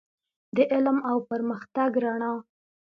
د علم او پرمختګ رڼا.